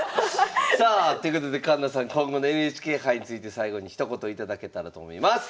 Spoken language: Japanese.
さあということで環那さん今後のＮＨＫ杯について最後にひと言頂けたらと思います！